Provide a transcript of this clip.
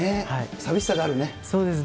寂しさがあるね。